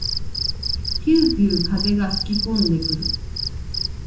ぴゅうぴゅう風が吹きこんでくる。